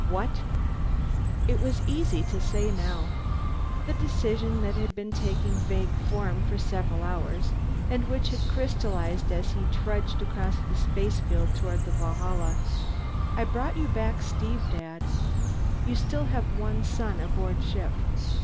"What?" It was easy to say, now the decision that had been taking vague form for several hours, and which had crystallized as he trudged across the spacefield toward the Valhalla. "I brought you back Steve, Dad. You still have one son aboard ship.